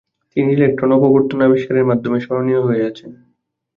তিনি ইলেকট্রন অপবর্তন আবিষ্কারের মাধ্যমে স্মরণীয় হয়ে আছেন।